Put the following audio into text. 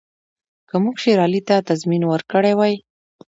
که موږ شېر علي ته تضمین ورکړی وای.